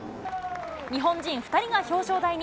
日本人２人が表彰台に。